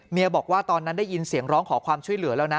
บอกว่าตอนนั้นได้ยินเสียงร้องขอความช่วยเหลือแล้วนะ